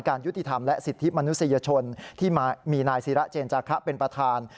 ยุติธรรมและสิทธิมนุษยชนที่มีนายศิระเจนจาคะเป็นประธาน